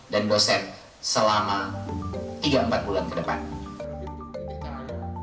dan dosen selama tiga empat bulan ke depan